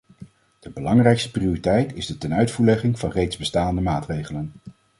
De belangrijkste prioriteit is de tenuitvoerlegging van reeds bestaande maatregelen.